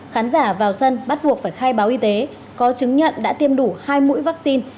khán giả vào sân bắt buộc phải khai báo y tế có chứng nhận đã tiêm đủ hai mũi vaccine